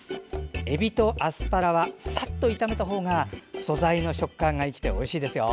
えびとアスパラはさっと炒めたほうが素材の食感が生きておいしいですよ。